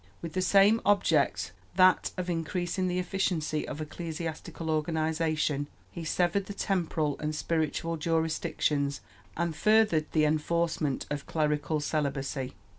With the same object, that of increasing the efficiency of ecclesiastical organization, he severed the temporal and spiritual jurisdictions and furthered the enforcement of clerical celibacy.